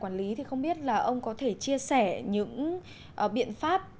quản lý thì không biết là ông có thể chia sẻ những biện pháp